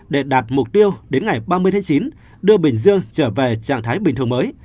để đạt mục tiêu đến ngày ba mươi tháng chín đưa bình dương trở về trạng thái bình thường mới